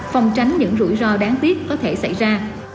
phòng tránh những rủi ro đáng tiếc có thể xảy ra